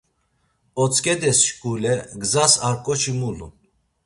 Otzǩedes şkule gzas ar ǩoçi mulun.